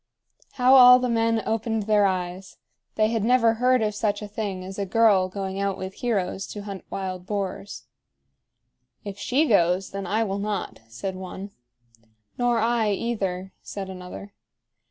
How all the men opened their eyes! They had never heard of such a thing as a girl going out with heroes to hunt wild boars. "If she goes, then I will not," said one. "Nor I, either," said another.